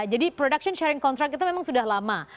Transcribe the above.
jadi production sharing contract itu memang sudah lama